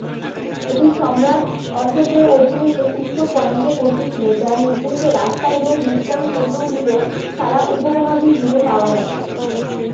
এটি সম্রাট অশোকের অধীনে এর উচ্চ পয়েন্টে পৌঁছেছিল, যার নির্দেশে রাস্তা এবং বিশ্রাম কেন্দ্রগুলো সারা উপমহাদেশ জুড়ে পাওয়া গেছে।